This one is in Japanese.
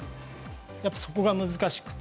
そこが難しくて。